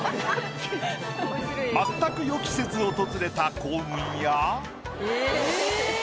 全く予期せず訪れた幸運や。